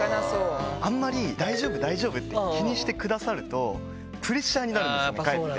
あんまり、大丈夫、大丈夫って気にしてくださると、プレッシャーになるんですよね、かえって。